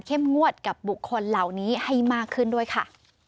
งวดกับบุคคลเหล่านี้ให้มากขึ้นด้วยค่ะ